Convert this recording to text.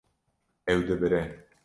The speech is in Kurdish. Ew dibire.